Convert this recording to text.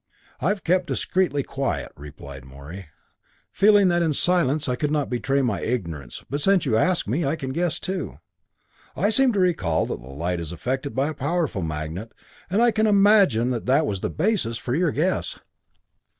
"I've kept discreetly quiet," replied Morey, "feeling that in silence I could not betray my ignorance, but since you ask me, I can guess too. I seem to recall that light is affected by a powerful magnet, and I can imagine that that was the basis for your guess.